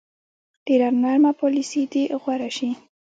ډېره نرمه پالیسي دې غوره شي.